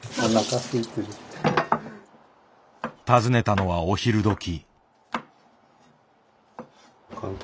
訪ねたのはお昼どき。